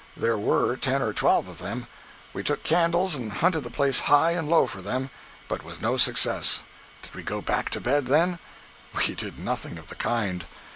There were ten or twelve of them. We took candles and hunted the place high and low for them, but with no success. Did we go back to bed then? We did nothing of the kind.